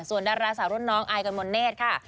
ส่วนดาราสาวรุ่นน้องอายกันมณเนธค่ะ